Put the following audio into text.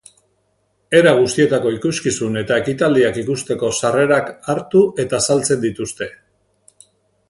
Era guztietako ikuskizun eta ekitaldiak ikusteko sarrerak hartu eta saltzen dituzte.